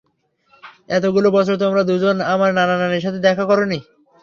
এতগুলো বছর তোমরা দুজন আমার নানা-নানির সাথে দেখো করোনি।